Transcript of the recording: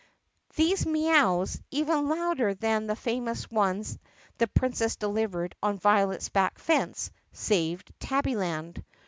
These "mee ows," even louder than the famous ones the Princess delivered on Violet's back fence, saved Tabbyland.